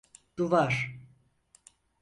Duvar.